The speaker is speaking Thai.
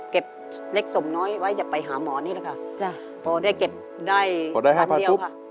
เล็กสมน้อยไว้จะไปหาหมอนี่แหละค่ะจ้ะพอได้เก็บได้พอได้พันเดียวค่ะ